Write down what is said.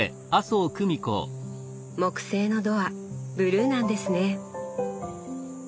木製のドアブルーなんですね。